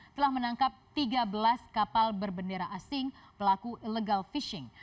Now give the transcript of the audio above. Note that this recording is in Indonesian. telah menangkap tiga belas kapal berbendera asing pelaku illegal fishing